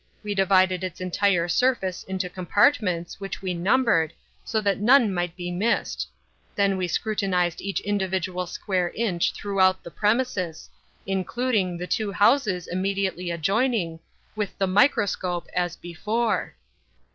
We divided its entire surface into compartments, which we numbered, so that none might be missed; then we scrutinized each individual square inch throughout the premises, including the two houses immediately adjoining, with the microscope, as before."